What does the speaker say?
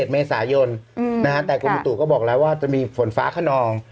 ๒๗เมษายนนะฮะแต่กรุงประตูก็บอกแล้วว่าจะมีฝนฟ้าขนอง